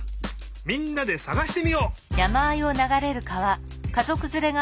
みんなでさがしてみよう！